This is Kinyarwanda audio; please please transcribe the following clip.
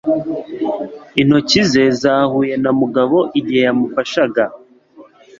Intoki ze zahuye na Mugabo igihe yamufashaga.